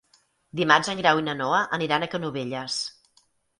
Dimarts en Grau i na Noa aniran a Canovelles.